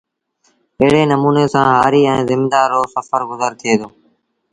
ايڙي نموٚني سآݩ هآريٚ ائيٚݩ زميݩدآر روسڦر گزر ٿئي دو